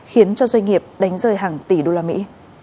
khiến cho doanh nghiệp đánh rơi hàng tỷ đô la mỹ